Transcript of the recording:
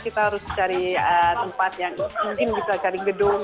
kita harus cari tempat yang mungkin bisa cari gedung